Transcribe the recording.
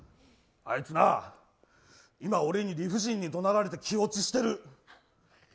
あいつな、今俺に理不尽に怒鳴られて気落ちしてる。